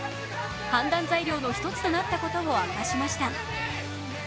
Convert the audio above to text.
判断材料の１つとなったことを明かしました。